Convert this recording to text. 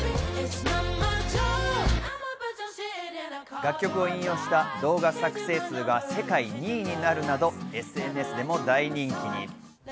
楽曲を引用した動画再生数が世界２位になるなど、ＳＮＳでも大人気に。